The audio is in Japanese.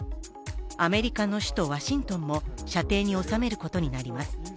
アメリカの首都ワシントンも射程に収めることになります。